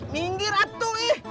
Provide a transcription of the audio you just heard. minggir atu ih